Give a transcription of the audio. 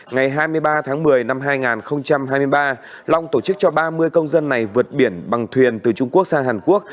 ngày hai mươi ba tháng một mươi năm hai nghìn hai mươi ba long tổ chức cho ba mươi công dân này vượt biển bằng thuyền từ trung quốc sang hàn quốc